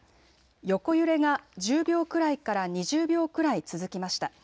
横揺れが１０秒くらいから２０秒くらい続きました。